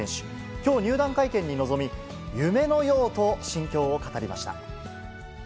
きょう、入団会見に臨み、夢のようと、心境を語りました。